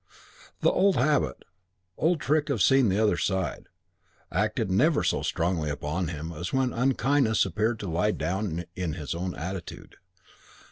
The old habit, the old trick of seeing the other side, acted never so strongly upon him as when unkindness appeared to lie in his own attitude.